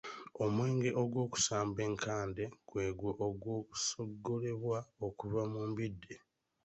Omwenge ogwokusamba enkande gwegwo ogusogolebwa okuva mu mbidde.